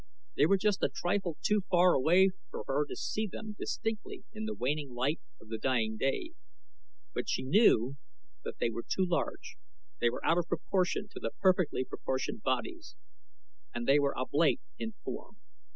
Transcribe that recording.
They were just a trifle too far away for her to see them distinctly in the waning light of the dying day, but she knew that they were too large, they were out of proportion to the perfectly proportioned bodies, and they were oblate in form.